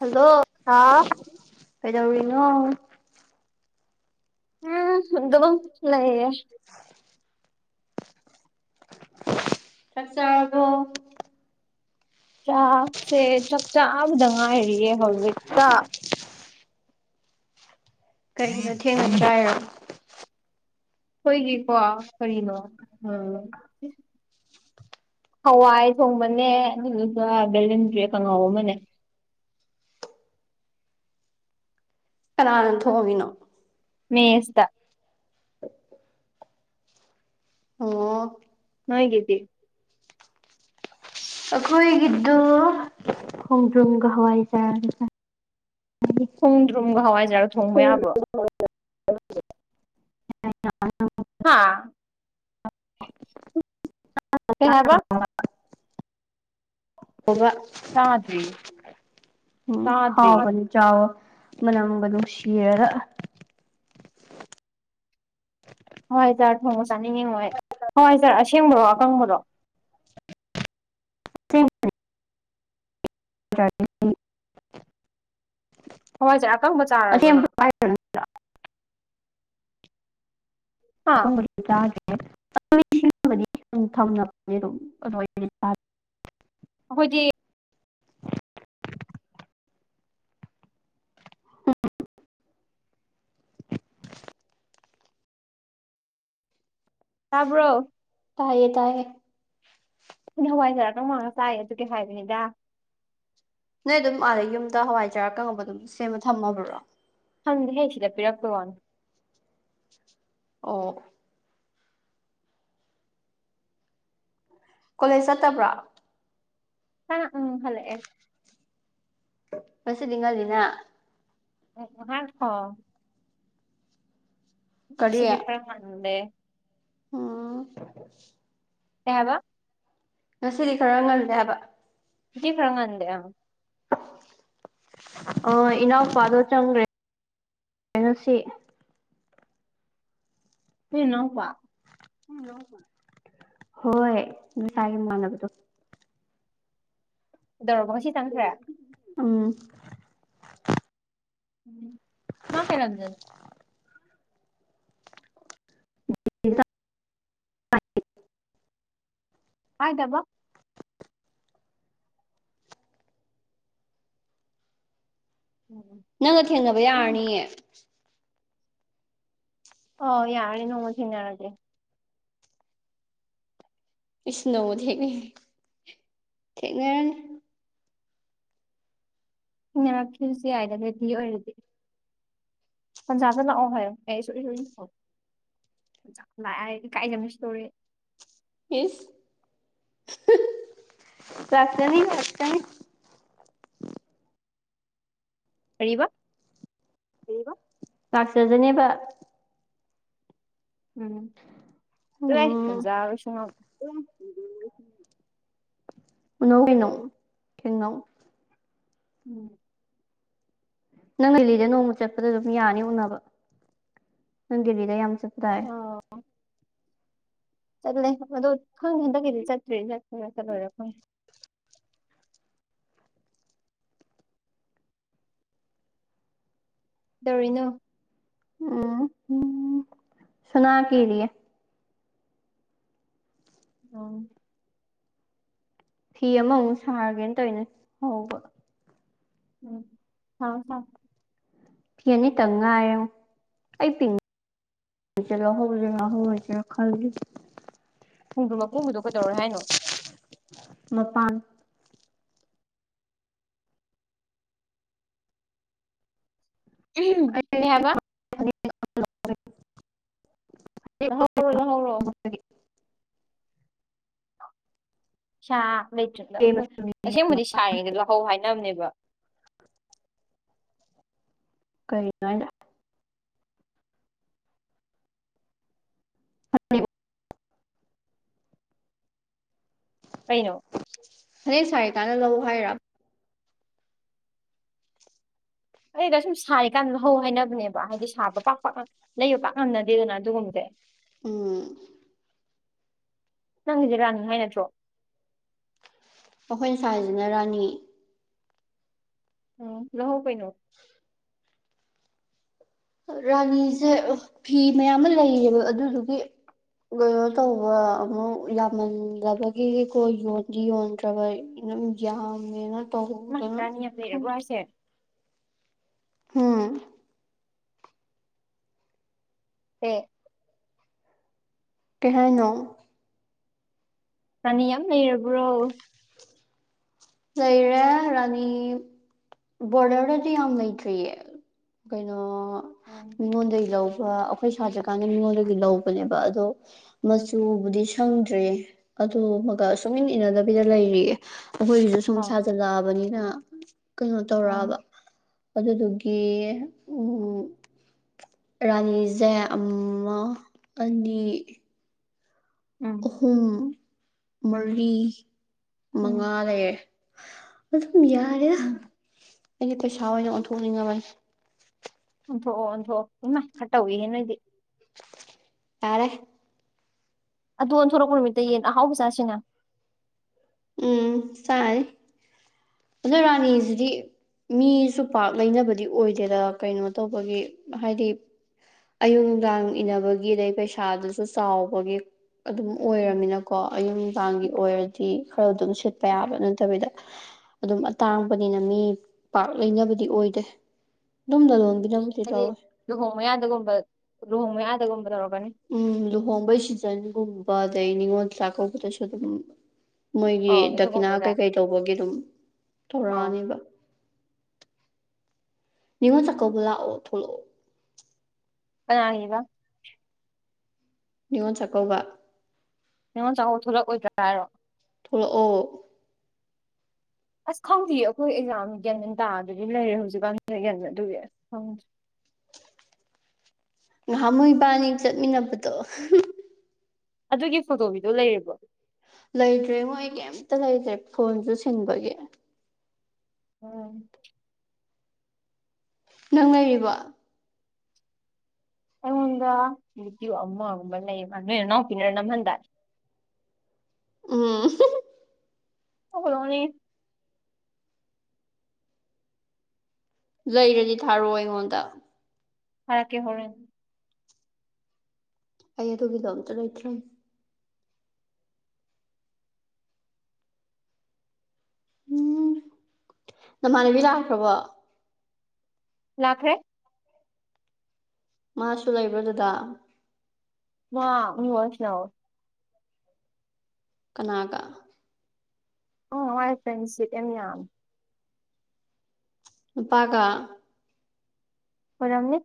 Hello. ꯑꯥꯎ꯫ ꯀꯩꯗꯧꯔꯤꯅꯣ꯫ ꯎꯝ ꯑꯗꯨꯝꯃꯛ ꯂꯩꯌꯦ꯫ [inaudible] ꯆꯥꯛ ꯆꯥꯔꯕꯣ꯫ ꯆꯥꯛꯁꯦ ꯆꯥꯛ ꯆꯥꯕꯗ ꯉꯥꯏꯔꯤꯌꯦ ꯍꯧꯖꯤꯛꯇ꯫ ꯀꯩꯒꯤꯅꯣ ꯊꯦꯡꯅ ꯆꯥꯏꯔꯣ꯫ ꯈꯣꯏꯒꯤꯀꯣ ꯀꯔꯤꯅꯣ ꯍꯋꯥꯏ ꯊꯣꯡꯕꯅꯦ ꯑꯗꯨꯗꯨꯒ ꯕꯦꯂꯦꯟꯗ꯭ꯔꯤ ꯀꯥꯡꯉꯥꯎ ꯑꯃꯅꯦ꯫ ꯀꯅꯥꯅ ꯊꯣꯡꯏꯅꯣ꯫ ꯃꯦꯁꯇ꯫ [unintelligible] ꯑꯣ꯫ ꯅꯣꯏꯒꯤꯗꯤ꯫ ꯑꯈꯣꯏꯒꯤꯗꯨ ꯈꯣꯡꯗ꯭ꯔꯨꯝꯒ ꯍꯋꯥꯏ ꯖꯥꯔꯒ ꯆꯥꯏ꯫ ꯈꯣꯡꯗ꯭ꯔꯨꯝꯒ ꯍꯋꯥꯏꯖꯥꯔꯒ ꯊꯣꯡꯕ ꯆꯥꯏꯌꯦ ꯌꯥꯕ꯭ꯔꯣ꯫ [unintelligible] ꯍꯥꯥ ꯀꯩ ꯍꯥꯏꯕ [unintelligible] ꯑꯣꯕꯥ ꯆꯥꯗ꯭ꯔꯤ ꯎꯝ ꯆꯥꯗ꯭ꯔꯤꯌꯦ ꯍꯥꯎꯕꯅꯤ ꯆꯥꯎꯋꯣ ꯃꯅꯝꯒ ꯅꯨꯡꯁꯤꯔꯒ ꯍꯋꯥꯏꯖꯥꯔ ꯊꯣꯡꯕ ꯆꯥꯅꯤꯡꯉꯤꯉꯣ ꯑꯩ ꯍꯋꯥꯏꯖꯥꯔ ꯑꯁꯦꯡꯕꯔꯣ ꯑꯀꯪꯕꯔꯣ [unintelligible] ꯍꯋꯥꯏꯖꯥꯔ ꯑꯀꯪꯕ ꯆꯥꯔꯕ꯭ꯔꯣ ꯅꯪ [unintelligible] ꯍꯥ [unintelligible] ꯑꯈꯣꯏꯗꯤ ꯇꯥꯕ꯭ꯔꯣ ꯇꯥꯏꯌꯦ ꯇꯥꯏꯌꯦ ꯑꯈꯣꯏꯗꯤ ꯍꯋꯥꯏꯖꯥꯔ ꯑꯀꯪꯕ ꯉꯥꯛ ꯆꯥꯏ ꯑꯗꯨꯒꯤ ꯍꯥꯏꯕꯅꯤꯗ ꯅꯣꯏ ꯑꯗꯨꯝ ꯑꯥꯗ ꯌꯨꯝꯗ ꯍꯋꯥꯏꯖꯥꯔ ꯑꯀꯪꯕ ꯑꯗꯨꯝ ꯁꯦꯝꯃ ꯊꯝꯃꯕ꯭ꯔꯣ ꯊꯝꯗꯦꯍꯦ ꯁꯤꯗ ꯄꯤꯔꯛꯄꯩ ꯋꯥꯅꯤ ꯑꯣ ꯀꯣꯂꯦꯖ ꯆꯠꯇꯕ꯭ꯔꯣ ꯍꯥ ꯎꯝ ꯍꯜꯂꯛ ꯑꯦ ꯉꯁꯤꯗꯤ ꯉꯜꯂꯤꯅ [unintelligible] ꯀꯔꯤ ꯉꯁꯤꯗꯤ ꯈꯔ ꯉꯜꯂꯦ ꯎꯝ ꯀꯩ ꯍꯥꯏꯕ ꯉꯁꯤꯗꯤ ꯈꯔ ꯉꯜꯂꯦ ꯍꯥꯏꯕ ꯉꯁꯤ ꯈꯔ ꯉꯟꯗꯦ ꯑꯪ ꯑꯣ ꯏꯅꯥꯎꯄꯥꯗꯣ ꯆꯪꯈ꯭ꯔꯦ ꯉꯁꯤ ꯅꯣ ꯅꯅꯥꯎꯄꯥ ꯍꯣꯏ ꯉꯁꯥꯏꯒꯤ ꯃꯃꯥꯟꯅꯕꯗꯣ ꯗꯧꯔꯕ ꯉꯁꯤ ꯆꯪꯈ꯭ꯔꯦ ꯎꯝ ꯝ ꯃꯥ ꯀꯩꯂꯝꯗꯩꯅꯣ [unintelligible] ꯀꯥꯏꯗꯥꯕ ꯅꯪꯒ ꯊꯦꯡꯅꯕ ꯌꯥꯔꯅꯤꯌꯦ ꯑꯣ ꯌꯥꯔꯅꯤ ꯅꯣꯡꯃ ꯊꯦꯡꯅꯔꯖꯦ ꯏꯁ ꯅꫭꯡꯃ ꯊꯦꯡꯅ ꯊꯦꯡꯅꯔꯅꯤ ꯏꯟꯅꯔꯛꯈꯤꯕꯖꯨ ꯌꯥꯏꯗ ꯔꯦꯗꯤ ꯑꯣꯏꯔꯗꯤ ꯄꯣꯟꯖꯥꯗ ꯂꯥꯛꯑꯣ ꯍꯥꯏꯌꫭ ꯑꯦ ꯁꯣꯔꯤ ꯁꯣꯔꯤ [unintelligible] ꯏꯀꯥꯏꯖꯕꯅꯁꯨ ꯂꫭꯏꯔꯦ ꯏꯁ ꯂꯥꯛꯆꯅꯤ ꯂꯥꯛꯆꯅꯤ ꯀꯔꯤꯕ ꯂꯥꯛꯆꯖꯅꯦꯕ ꯎꯝ ꯆꯂꯥꯏ ꯎꯝ ꯉꯝꯖꯔꯔꫭꯏ ꯁꯨꯉꯝ ꯎꯅꯧ ꯀꯩꯅꯣ ꯊꯦꯡꯅꯧ ꯎꯝ ꯅꯪ ꯗꯜꯂꯤꯗ ꯅꯣꯡꯃ ꯆꯠꯄꯗ ꯑꯗꯨꯝ ꯌꯥꯅꯤ ꯎꯅꯕ ꯅꯪ ꯗꯦꯜꯂꯤꯗ ꯌꯥꯝ ꯆꯠꯄ ꯗꯥꯏ ꯎꯝ [unintelligible] [inaudible] ꯆꯠꯂꯦ ꯑꯗꯨ ꯈꯪꯗꯦ ꯍꯟꯇꯀꯛ ꯀꯤꯗꯤ ꯆꯠꯇꯔꯤ ꯆꯠꯀꯦꯔꯥ ꯆꯇꯂꯣꯏꯔꯥ ꯈꯪꯗꯦ ꯗꯧꯔꯤꯅꯣ ꯎꯝ ꯍꯨꯝ ꯁꯨꯅꯥ ꯀꯤꯔꯤꯑꯦ ꯑꯣ ꯐꯤ ꯑꯃꯃꯨꯛ ꯁꯥꯔꯒꯦꯅ ꯇꯧꯏꯅꯤ ꯍꯧꯕ ꯎꯝ ꯁꯥꯎ ꯁꯥꯎ ꯐꯤ ꯑꯅꯤꯇꯡ ꯉꯥꯏꯔꯦꯉꯣ ꯑꯩ ꯄꯤꯛ [unintelligible] ꯍꯧꯖꯤꯔꯥ ꯍꯧꯔꯣꯏꯖꯤꯔꯥ ꯈꯜꯂꯤ ꯈꯣꯛꯗꯔ꯭ꯨꯝ ꯃꯀꯨꯒꯤꯗꯣ ꯀꯩꯗꯧꯔꯦ ꯍꯥꯏꯅꯣ ꯃꯄꯥꯟ ꯎꯍꯨꯝ ꯑꯩ ꯀꯩ ꯍꯥꯏꯕꯥ [unintelligible] [unintelligible] ꯂꯧꯍꯧꯔꯣ ꯂꯧꯍꯧꯔꯣ [unintelligible] [inaudible] ꯁꯥ ꯂꯩꯇ꯭ꯔꯅ ꯑꯩꯈꯣꯏ ꯑꯁꯦꯡꯕꯗꯤ ꯁꯥꯔꯤꯉꯩꯗ ꯂꯧꯍꯧ ꯍꯥꯏꯅꯕꯅꯦꯕ ꯀꯩꯅꯣ ꯍꯥꯏꯁꯦ [unintelligible] [inaudible] ꯀꯩꯅꯣ ꯐꯥꯅꯦꯛ ꯁꯥꯔꯤ ꯀꯥꯟꯗ ꯂꯧ ꯍꯥꯏꯔꯣ ꯑꯩꯗ ꯑꯁꯨꯝ ꯁꯥꯔꯤꯀꯥꯟꯗ ꯂꯧꯍꯧ ꯍꯥꯏꯅꯕꯅꯦꯕ ꯍꯥꯏꯗꯤ ꯁꯥꯕ ꯄꯥꯛ ꯄꯛ ꯂꯩꯕ ꯄꯥꯛ ꯉꯝꯅꯗꯦꯗꯅ ꯑꯗꯨꯒꯨꯝꯕꯗꯤ ꯎꯝ ꯅꯪꯒꯤꯖꯦ ꯔꯥꯅꯤ ꯍꯥꯏ ꯅꯠꯇ꯭ꯔꯣ ꯑꯥꯈꯣꯏ ꯁꯥꯏꯖꯤꯅ ꯔꯥꯅꯤ ꯎꯝ ꯂꯍꯧ ꯀꯩꯅꯦ ꯔꯥꯅꯤꯁꯦ ꯐꯤ ꯃꯌꯥꯝꯃꯥ ꯂꯩꯌꯦꯕ ꯑꯗꯨꯗꯨꯒꯤ ꯀꯩꯅꯣ ꯇꯧꯕ ꯑꯃꯨꯛ ꯌꯥꯝꯃꯟꯂꯕꯒꯤ ꯈꯣꯏ ꯌꯣꯟꯗꯤ ꯌꯣꯟꯗ꯭ꯔꯕ ꯑꯩ ꯃꯤꯅꯥ ꯃꯨꯛ ꯌꯝꯃꯦꯅ ꯃꯥ ꯇꯧꯗꯅ ꯔꯥꯅꯤ ꯌꯥꯝ ꯂꯩꯔꯕ꯭ꯔꯣ ꯈꯪꯗꯦ ꯍꯥꯏꯁꯦ ꯎꯝ ꯄꯦ ꯀꯩ ꯍꯥꯏꯅꯣ ꯔꯥꯅꯤ ꯌꯥꯝ ꯂꯩꯔꯕ꯭ꯔꯣ ꯂꯩꯔꯦ ꯔꯥꯅꯤ ꯕꯣꯂꯦꯔꯣꯗꯤ ꯌꯥꯝ ꯂꯩꯇ꯭ꯔꯤꯌꯦ ꯀꯩꯅꯣ ꯎꯝ ꯃꯤꯉꯣꯟꯗꯒꯤ ꯂꯧꯕ ꯑꯩꯈꯣꯏ ꯁꯥꯇ꯭ꯔꯀꯥꯟꯗ ꯃꯤꯉꯣꯟꯗꯒꯤ ꯂꯧꯕꯅꯦꯕ ꯑꯗꯣ [unintelligible] ꯃꯆꯨꯕꯨꯗꯤ ꯁꯪꯗ꯭ꯔꯤꯌꯦ ꯑꯗꯨ ꯃꯒ ꯁꯨꯛꯏꯟ ꯏꯟꯅꯗꯕꯤꯗ ꯂꯩꯔꯤꯌꯦ ꯑꯗꯨꯑꯣꯏꯖꯨ ꯁꯨꯝ ꯁꯥꯖꯜꯂꯛꯑꯕꯅꯤꯅ ꯀꯩꯅꯣ ꯇꯧꯔꯛꯑꯕ ꯎꯝ ꯑꯗꯨꯗꯨꯒꯤ ꯔꯥꯅꯤꯖꯦ ꯑꯃ ꯑꯅꯤ ꯎꯝ ꯑꯍꯨꯝ ꯃꯔꯤ ꯃꯉꯥ ꯎꯝ ꯂꯩꯔꯦ ꯑꯗꯨꯝ ꯌꯥꯔꯦꯗ ꯎꯝ ꯑꯩꯗꯤ ꯄꯩꯁꯥ ꯑꯣꯏꯅ ꯑꯣꯟꯊꯣꯛꯅꯤꯡꯉꯕꯅꯤ ꯑꯣꯟꯊꯣꯛꯑꯣ ꯑꯣꯟꯊꯣꯀꯥꯑꯣ ꯏꯃꯥꯏ ꯈꯔ ꯇꯧꯏꯍꯦ ꯅꯣꯏꯗꯤ ꯇꯥꯔꯦ ꯑꯗꯣ ꯑꯣꯟꯊꯣꯔꯛꯄ ꯅꯨꯃꯤꯠꯇ ꯌꯦꯟ ꯑꯍꯥꯎꯕ ꯆꯥꯁꯤꯅ ꯎꯝ ꯆꯥꯅꯤ [unintelligible] ꯔꯥꯅꯤꯖꯤꯗꯤ ꯃꯤꯖꯨ ꯄꯥꯛ ꯂꯩꯅꯕꯗꯤ ꯑꯣꯏꯗꯦꯗ ꯀꯩꯅꯣ ꯇꯧꯕꯒꯤ ꯍꯥꯏꯗꯤ ꯑꯌꯨꯛ ꯅꯨꯡꯗꯥꯡ ꯏꯟꯅꯅꯕꯒꯤ ꯑꯗꯩ ꯄꯩꯁꯥꯗꯨꯖꯨ ꯆꯥꯎꯕꯒꯤ ꯑꯗꯨꯝ ꯎꯝ ꯑꯣꯏꯔꯝꯃꯤꯅꯀꯣ ꯑꯌꯨꯛ ꯅꯨꯡꯗꯥꯡꯒꯤ ꯑꯣꯏꯔꯗꯤ ꯈꯔ ꯑꯗꯨꯝ ꯁꯤꯠꯄ ꯌꯥꯕ ꯅꯠꯇꯕꯤꯗ ꯑꯗꯨꯝ ꯑꯇꯥꯡꯕꯅꯤꯅ ꯃꯤ ꯄꯥꯛ ꯂꯩꯅꯕꯗꯤ ꯑꯣꯏꯗꯦ ꯗꯨꯝ ꯎꯝ ꯂꯂꫭꯟꯕꯤꯅꯕꯨꯗꯤ ꯍꯥꯏꯗꯤ ꯂꯧꯋꯦ ꯂꯨꯍꯣꯡ ꯃꯌꯥꯗꯒꯨꯝꯕ ꯂꯨꯍꯣꯡ ꯃꯌꯥꯗꯒꯨꯝꯕ ꯇꯧꯔꯛꯀꯅꯤ ꯎꯝ ꯂꯨꯍꯣꯡꯕꯩ ꯁꯤꯖꯟꯒꯨꯝꯕ ꯑꯗꯩ ꯅꯤꯉꯣꯜ ꯆꯥꯛꯀꯧꯕꯗꯁꯨ ꯑꯗꯨꯝ ꯃꯣꯏꯒꯤ ꯑꯧ ꯗꯈꯤꯅꯥ ꯑꯗꯨꯒꯨꯝꯕꯗ ꯀꯩꯀꯩ ꯇꯧꯕꯒꯤ ꯑꯗꯨꯝ ꯑꯧ ꯇꯧꯔꯛꯑꯅꯤꯕ ꯅꯤꯡꯉꯣꯜ ꯆꯥꯛꯀꯧꯕ ꯂꯥꯛꯑꯣ ꯊꯣꯛꯂꯛꯑꯣ [unintelligible] ꯅꯤꯉꯣꯜ ꯆꯥꯛꯀꯧꯕ ꯅꯤꯉꯣꯟ ꯆꯥꯀꯩꯕ ꯊꫭꯛꯂꯛꯑꯣꯏꯗ꯭ꯔ ꯍꯥꯏꯔꯣ ꯊꯣꯛꯂꯛ ꯑꯣ ꯑꯁ ꯈꯪꯗꯤꯌꯦ ꯑꯩꯈꯣꯏ ꯑꯦꯛꯖꯥꯝ ꯒ꯭ꯌꯥꯟ ꯇꯥꯗꯕꯤ ꯂꯩꯔꯦ ꯍꯧꯖꯤꯛꯀꯥꯟ [unintelligible] ꯑꯗꯨꯒꯤ ꯉꯍꯥꯝꯃꯨꯛ ꯏꯕꯥꯅꯤ ꯆꯠꯃꯤꯟꯅꯕꯗꯣ ꯑꯗꯨꯒꯤ ꯐꯣꯇꯣꯒꯤꯗꯣ ꯂꯩꯔꯤꯕꯣ ꯂꯩꯇ꯭ꯔꯦꯉꫭ ꯑꯩ ꯀꯩꯝꯇ ꯂꯩꯇ꯭ꯔꯦ ꯐꯣꯟꯖꯨ ꯁꯤꯟꯕꯒꯤ ꯑꫭꯝ ꯅꯪ ꯂꯩꯔꯤꯕꫭ ꯑꯩꯉꯣꯟꯗ [unintelligible] ꯂꯩꯕꯅꯦ ꯅꯣꯏ ꯅꯅꯥꯎꯄꯤꯅ ꯅꯝꯍꯟꯗꯥꯏ ꯎꯝ [unintelligible] [unintelligible] ꯅꫭꯛꯅꯤꯡꯉꯤ ꯂꯩꯔꯗꯤ ꯊꯥꯔꯛꯑꯣ ꯑꯩꯉꯣꯟꯗ ꯊꯥꯔꯛꯀꯦ ꯍꯧꯔꯦꯟ ꯑꯩ ꯑꯗꯨꯒꯤꯗꯣ ꯑꯝꯇ ꯂꯩꯇ꯭ꯔꯦ ꯎꯝ ꯅꯃꯥꯟꯅꯕꯤ ꯂꯥꯛꯈ꯭ꯔꯕꯣ ꯂꯥꯛꯈ꯭ꯔꯦ ꯃꯥꯁꯨ ꯂꯩꯕ꯭ꯔ ꯗꯨꯗꯥ ꯃꯥ [unintelligible] ꯋꯥꯔꯤ ꯁꯥꯟꯅꯍꯧꯋꯤ ꯀꯅꯥꯒ ꯑꯣ ꯃꯥꯏ ꯐ꯭ꯔꯦꯟꯁꯤꯞ ꯌꯥꯝ [unintelligible] ꯅꯨꯄꯥꯒ ꯑꯣꯏꯔꯝꯅꯤ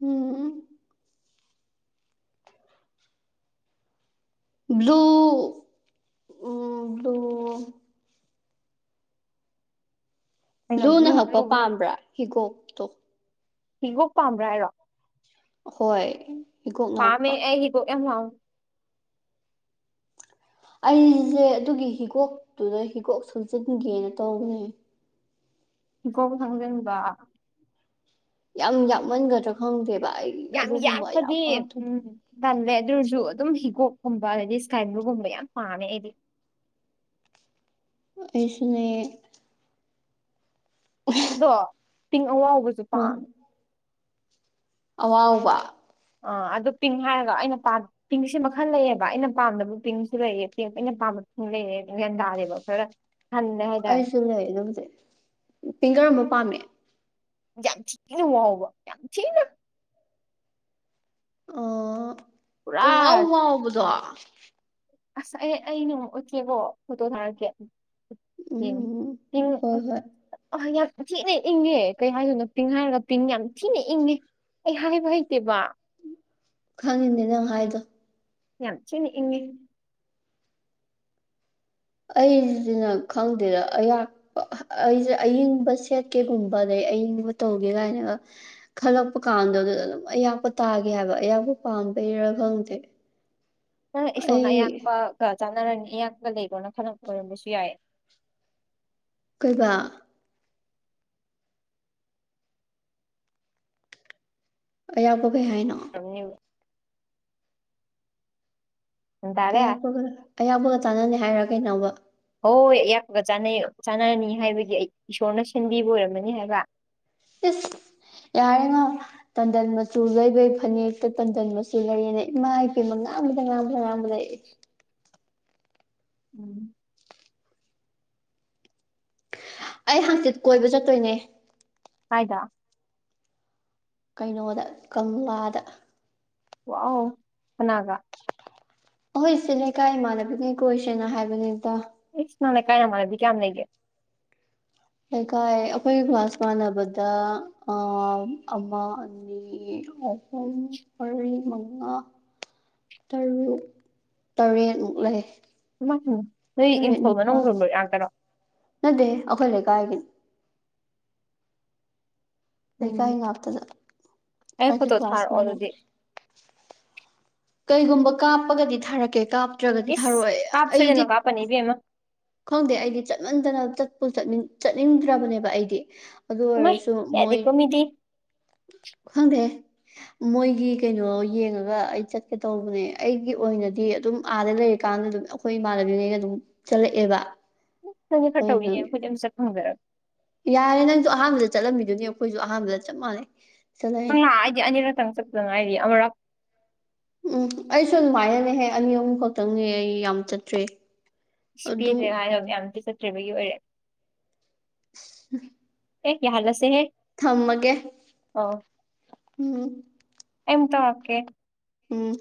ꯎꯝ [unintelligible] ꯕ꯭ꯂꯨ ꯎꯝ ꯕ꯭ꯂꯨ ꯀꯩꯅꯣ ꯕ꯭ꯂꯨꯅ ꯕ꯭ꯂꯨ ꯕ꯭ꯂꯨ ꯍꯛꯄ ꯕ꯭ꯂꯨ ꯄꯥꯝꯕ꯭ꯔ ꯍꯤꯒꯣꯛ ꯍꯤꯒꯣꯛ ꯄꯥꯝꯕ꯭ꯔ ꯍꯥꯏꯔꯣ ꯍꯣꯏ ꯍꯤꯒꯣꯛꯅ ꯄꯥꯝꯃꯦ ꯍꯛꯄ ꯑꯩ ꯍꯤꯒꯣꯛ ꯌꯥꯝ [unintelligible] ꯑꯩꯖꯦ ꯑꯗꯨꯒꯤ ꯍꯤꯒꯣꯛꯇꯨꯗ ꯍꯤꯒꯣꯛ ꯁꯨꯖꯟꯒꯦꯅ ꯇꯧꯕꯅꯦ ꯍꯤꯒꫭꯛ ꯁꯪꯖꯟꯕ ꯌꯥꯝ ꯌꯥꯛꯃꯟꯒꯗ꯭ꯔ ꯈꯪꯗꯦꯕ ꯑꯩ ꯌꯥꯝ ꯑꯗꯨꯒꯨꯝꯕ ꯌꯥꯝ ꯌꯥꯛꯄꯗꯤ ꯄꯥꯝꯗꯦ ꯎꯝ ꯇꯜꯂꯦ ꯑꯗꯨ ꯑꫭꯏꯔꯁꯨ ꯑꯗꯨꯝ ꯍꯤꯒꯣꯛꯀꯨꯝꯕ ꯑꯗꯩꯗꯤ ꯏꯁꯀꯥꯏ ꯕ꯭ꯂꯨꯒꯨꯝꯕ ꯌꯥꯝ ꯄꯥꯝꯃꯦ ꯑꯩꯗꯤ ꯑꯩꯁꯨꯅꯦ ꯎ [inaudible] ꯑꯗꯣ ꯄꯤꯡ ꯑꯋꯥꯥꯎꯕꯖꯨ ꯄꯥꯝꯃꯦ꯫ ꯑꯋꯥꯎꯕ꯫ ꯑꯥ ꯑꯗꯨ ꯄꯤꯡ ꯍꯥꯏꯔꯒ ꯑꯩꯅ ꯄꯥꯝ ꯄꯤꯡꯁꯤ ꯃꯈꯜ ꯂꯩꯌꯦꯕ ꯑꯩꯅ ꯄꯥꯝꯗꯕ ꯄꯤꯡꯁꯨ ꯂꯩꯌꯦꯕ ꯑꯩꯅ ꯄꯥꯝꯕ ꯄꯤꯡ ꯂꯩꯑꯦ ꯒ꯭ꯌꯥꯟ ꯇꯥꯗꯦꯕ ꯈꯔ ꯍꯜꯂꯦ ꯍꯥꯏꯇꯥꯔꯦ ꯑꯩꯁꯨ ꯂꯩ ꯑꯗꯨꯕꯨꯗꯤ ꯄꯤꯡ ꯀꯔꯝꯕ ꯄꯥꯝꯃꯤ꯫ ꯌꯥꯝ ꯊꯤꯅ ꯋꯥꯎꯕ ꯌꯥꯝꯊꯤꯅ꯫ ꯑꯣ ꯄꯨꯔꯥ ꯄꯨꯡꯋꯥꯎ ꯋꯥꯎꯕꯗꯣ꯫ ꯑꯁ ꯑꯩ ꯑꯩ ꯅꯣꯡꯃ ꯎꯠꯀꯦꯀꯣ ꯐꯣꯇꯣ ꯊꯥꯔꯛꯀꯦ꯫ ꯌꯦꯡ ꯎꯝ ꯄꯤꯡ ꯍꯣꯏ ꯍꯣꯏ ꯑ ꯌꯥꯝ ꯊꯤꯅ ꯏꯪꯉꯦ ꯀꯩ ꯍꯥꯏꯗꯣꯏꯅꯣ ꯄꯤꯡ ꯍꯥꯏꯔꯒ ꯄꯤꯡ ꯌꯥꯝ ꯊꯤꯅ ꯏꯪꯉꯦ꯫ ꯑꯩ ꯍꯥꯏꯕ ꯍꯩꯇꯦꯕ꯫ ꯈꯪꯉꯤꯅꯦ ꯅꯪ ꯍꯥꯏꯗꯣ꯫ ꯌꯥꯝ ꯊꯤꯅ ꯏꯪꯉꯤ꯫ ꯑꯩꯖꯤꯅ ꯈꯪꯗꯦꯗ ꯑꯩꯌꯥꯛ ꯑꯩꯖꯦ ꯑꯌꯤꯡꯕ ꯁꯦꯠꯀꯦꯒꯨꯝꯕ ꯑꯗꯩ ꯑꯌꯤꯡꯕ ꯇꯧꯒꯦ ꯒꯥꯏꯅꯒ ꯈꯜꯂꯛꯄ ꯀꯥꯟꯗꯨꯗ ꯑꯗꯨꯝ ꯑꯌꯥꯛꯄ ꯇꯥꯒꯤ ꯍꯥꯏꯕ ꯑꯌꯥꯛꯄ ꯄꯥꯝꯕꯩꯔꯥ ꯈꯪꯗꯦ꯫ [inaudible] ꯅꯪ ꯏꯁꯣꯔꯅ ꯑꯩ ꯑꯌꯥꯛꯄꯒ ꯆꯥꯟꯅꯔꯅꯤ ꯑꯌꯥꯛꯄꯒ ꯂꯩꯔꯣꯅ ꯈꯜꯂꯛꯄ ꯑꯣꯏꯔꯝꯕꯁꯨ ꯌꯥꯏꯌꯦ꯫ ꯀꯩꯕ꯫ ꯑꯌꯥꯛꯄ ꯀꯩ ꯍꯥꯏꯅꯣ꯫ [unintelligible] ꯒ꯭ꯌꯥꯟ ꯇꯥꯔꯦ ꯑꯌꯥꯛꯄꯒ ꯑꯌꯥꯛꯄꯒ ꯆꯥꯟꯅꯅꯤ ꯍꯥꯏꯔ ꯀꯩꯅꯣꯕ꯫ ꯍꯣꯏ ꯑꯌꯥꯛꯄꯒ ꯆꯥꯅꯩ ꯆꯥꯅꯔꯅꯤ ꯍꯥꯏꯕꯒꯤ ꯏꯁꯣꯔꯅ ꯁꯤꯟꯕꯤꯕ ꯑꯣꯏꯔꯝꯃꯅꯤ ꯍꯥꯏꯕ꯫ ꯏꯁ ꯌꯥꯔꯦꯉꯣ꯫ ꯇꯟꯗꯟ ꯃꯆꯨ ꯂꯩꯕꯩ ꯐꯅꯦꯛꯇ ꯇꯟꯗꯟ ꯃꯆꯨ ꯂꯩꯌꯦꯅ ꯏꯃꯥ ꯏꯄꯦꯝꯃ ꯉꯥꯡꯕꯗ ꯉꯥꯡꯕꯗ ꯉꯥꯡꯕꯗ ꯑꯩ꯫ [inaudible] ꯎꯝ꯫ ꯑꯩ ꯍꯪꯆꯤꯠ ꯀꯣꯏꯕ ꯆꯠꯇꯣꯏꯅꯦ꯫ ꯀꯥꯏꯗ꯫ ꯀꯩꯅꯣꯗ ꯀꯪꯂꯥꯗ꯫ ꯋꯥꯎ ꯀꯅꯥꯒ꯫ ꯑꯩꯍꯣꯏ ꯁꯤ ꯂꯩꯀꯥꯏ ꯏꯃꯥꯟꯅꯕꯤꯅꯉꯩ ꯀꯣꯏꯁꯦꯅ ꯍꯥꯏꯕꯅꯤꯗ꯫ ꯏꯁ ꯅꯪ ꯂꯩꯀꯥꯏ ꯅꯃꯥꯅꯕꯤ ꯀꯌꯥꯝ ꯂꯩꯒꯦ꯫ ꯂꯩꯀꯥꯏ ꯑꯩꯈꯣꯏ ꯀ꯭ꯂꯥꯁ ꯃꯥꯟꯅꯕꯗ ꯑꯃ ꯑꯅꯤ꯫ ꯃꯍꯨꯝ ꯃꯔꯤ ꯃꯉꯥ꯫ ꯇꯔꯨꯛ ꯇꯔꯦꯠꯃꯨꯛ ꯂꯩ꯫ ꯏꯃꯥꯏꯄꯦꯃ ꯅꯣꯏ ꯏꯪꯈꯣꯜ ꯃꯅꯨꯡꯒꯨꯝꯕꯩ ꯉꯥꯛꯇꯔꯣ꯫ ꯅꯠꯇꯦꯍꯦ ꯑꯩꯈꯣꯏ ꯂꯩꯀꯥꯏꯒꯤꯅꯤ꯫ ꯂꯩꯀꯥꯏ ꯎꯝ ꯉꯥꯛꯇꯗ ꯑꯩ ꯑꯩꯒ ꯐꯣꯇꯣ ꯀ꯭ꯂꯥꯁ ꯊꯥꯔꯛꯑꯣ ꯑꯗꯨꯗꯤ ꯃꯥꯅꯕꯅꯦ ꯀꯩꯒꯨꯝꯕ ꯀꯥꯞꯄꯒꯗꯤ ꯊꯥꯔꯛꯀꯦ ꯀꯥꯞꯇ꯭ꯔꯒꯗꯤ ꯊꯥꯔꯛꯑꯣꯏ ꯑꯩꯗꯤ ꯄꯅꯤ ꯏꯕꯦꯃ꯫ ꯈꯪꯗꯦ ꯑꯩꯗꯤ ꯆꯠꯃꯟꯗꯅ ꯆꯠꯄꯨ ꯆꯠꯅꯤꯡꯗ꯭ꯔꯕꯅꯦꯕ ꯑꯩꯗꯤ꯫ ꯑꯗꯨ ꯏꯃꯥꯏ ꯑꯣꯏꯔꯁꯨ ꯃꯣꯏ꯫ ꯌꯥꯗꯦꯀꯣ ꯃꯤꯗꯤ ꯈꯪꯗꯦꯍꯦ꯫ ꯃꯣꯏꯒꯤ ꯀꯩꯅꯣ ꯌꯦꯡꯉꯒ ꯑꯩ ꯆꯠꯀꯦ ꯇꯧꯕꯅꯦ ꯑꯩꯒꯤ ꯑꯣꯏꯅꯗꯤ ꯑꯗꯨꯝ ꯑꯥꯗ ꯂꯩꯔꯀꯥꯟꯗ ꯑꯗꯨꯝ ꯑꯩꯈꯣꯏ ꯏꯃꯥꯟꯅꯕꯤꯒꯩ ꯑꯗꯨꯝ ꯆꯠꯂꯛꯑꯦꯕ ꯅꯪꯗꯤ ꯈꯔ ꯇꯧꯋꯤꯅꯦ ꯑꯗꯨꯗꯨꯒꯤ ꯑꯩꯈꯣꯏꯗꯤ ꯑꯃꯝ ꯐꯪꯖꯔꯛ ꯌꯥꯔꯦ ꯅꯪꯁꯨ ꯑꯍꯥꯟꯕꯗ ꯆꯠꯂꯝꯃꯤꯗꯨꯅꯤ ꯑꯩꯈꯣꯏꯁꯨ ꯑꯍꯥꯟꯕꯗ ꯆꯞ ꯃꯥꯟꯅꯩ ꯆꯠꯂꯛꯏ ꯍꯪꯉꯥ ꯑꯩꯗꯤ ꯑꯅꯤꯔꯛꯇꯪ ꯆꯠꯄꯗ ꯉꯥꯏꯔꯤ ꯑꯃꯨꯔꯛ ꯎꯝ ꯑꯩꯁꯨ ꯑꯗꯨꯃꯥꯏꯅꯅꯦꯍꯦ ꯑꯅꯤ ꯑꯍꯨꯝ ꯈꯛꯇꯪꯅꯦ ꯑꯩ ꯌꯥꯝ ꯆꯠꯇ꯭ꯔꯤ ꯏꯁ ꯑꯗꯨ ꯄꯤꯔꯦ ꯍꯥꯏꯔ ꯃꯌꯥꯝꯇꯤ ꯆꯠꯇ꯭ꯔꯤꯕꯒꯤ ꯑꯣꯏꯔꯦ ꯎꯝ ꯑꯦ ꯌꯥ ꯍꯂꯁꯦꯍꯦ ꯊꯝꯃꯒꯦ ꯎꯝ ꯑꯩ ꯃꯨꯛ ꯇꯧꯔꯛꯀꯦ ꯎꯝ